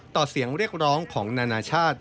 ต่อเสียงเรียกร้องของนานาชาติ